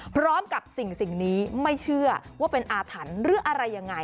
พร้อมกับสิ่งนี้ไม่เชื่อว่าเป็นอาถรรพ์หรืออะไรยังไง